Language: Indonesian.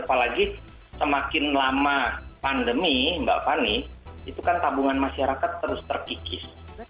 apalagi semakin lama pandemi mbak fani itu kan tabungan masyarakat terus terkikis